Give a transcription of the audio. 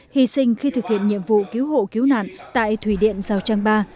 hy sinh khi thực hiện nhiệm vụ cứu hộ cứu nạn tại thủy điện giao trang ba